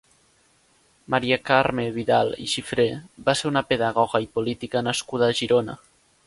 Maria Carme Vidal i Xifré va ser una pedagoga i política nascuda a Girona.